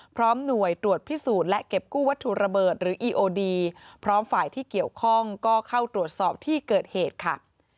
พร้อมหน่วยตรวจพิสูจน์และเก็บกู้วัตถุระเบิดหรืออีโอดีพร้อมฝ่ายที่เกี่ยวข้องก็เข้าตรวจสอบที่เกิดเหตุค่ะ